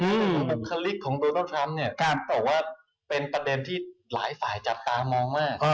และคลิกของโบราตรัมป์การบอกว่าเป็นประเด็นที่หลายฝ่ายจับตามองมาก